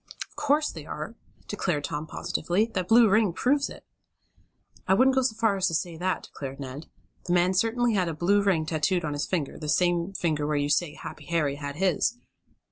"Of course they are!" declared Tom positively. "That blue ring proves it!" "I wouldn't go so far as to say that," declared Ned. "The man certainly had a blue ring tattooed on his finger the same finger where you say Happy Harry had his.